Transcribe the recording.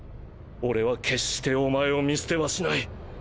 俺は決してお前を見捨てはしない。